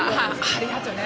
ありがとね。